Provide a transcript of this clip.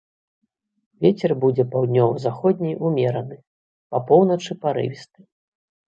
Вецер будзе паўднёва-заходні ўмераны, па поўначы парывісты.